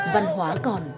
văn hóa còn